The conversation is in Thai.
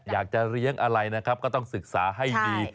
อยากจะเลี้ยงอะไรนะครับก็ต้องศึกษาให้ดี